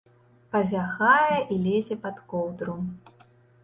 Пазяхае і лезе пад коўдру.